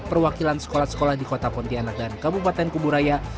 perwakilan sekolah sekolah di kota pontianak dan kabupaten kuburaya